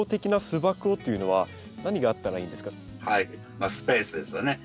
まあスペースですよね。